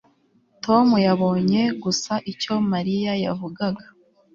tom yabonye gusa icyo mariya yavugaga